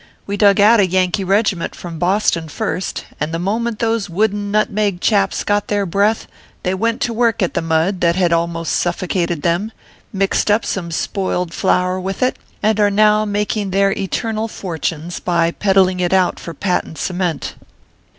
We dug out a Yankee regiment from Boston first, and the moment those wooden nutmeg chaps got their breath, they went to work at the mud that had almost suffocated them, mixed up some spoiled flour with it, and are now making their eternal fortunes by peddling it out for patent ce ment."